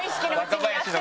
「若林の壁」？